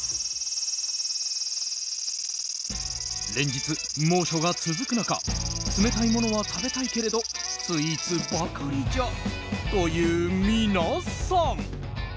連日、猛暑が続く中冷たいものは食べたいけれどスイーツばかりじゃという皆さん。